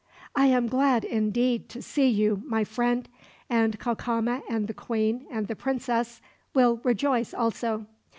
"I am glad, indeed, to see you, my friend; and Cacama and the queen and the princess will rejoice, also.